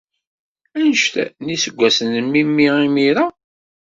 Anect n yiseggasen n memmi imir-a?